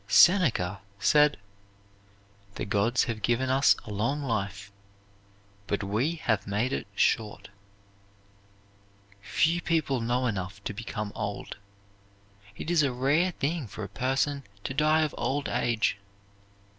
Seneca said, "The gods have given us a long life, but we have made it short." Few people know enough to become old. It is a rare thing for a person to die of old age.